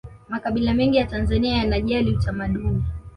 makabila mengi ya tanzania yanajali utamaduni